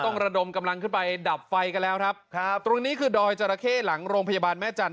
ระดมกำลังขึ้นไปดับไฟกันแล้วครับครับตรงนี้คือดอยจราเข้หลังโรงพยาบาลแม่จันท